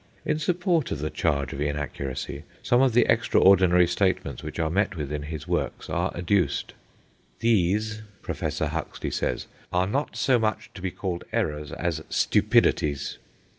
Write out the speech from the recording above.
In support of the charge of inaccuracy, some of the extraordinary statements which are met with in his works are adduced. "These," Professor Huxley says, "are not so much to be called errors as stupidities."